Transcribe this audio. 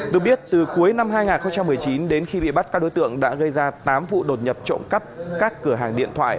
được biết từ cuối năm hai nghìn một mươi chín đến khi bị bắt các đối tượng đã gây ra tám vụ đột nhập trộm cắp các cửa hàng điện thoại